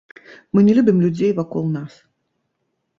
Мы не любім людзей вакол нас.